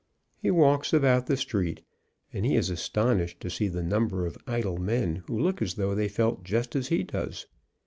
He walks about the street, and he is astonished to see the number of idle men who look as though they felt just as he does.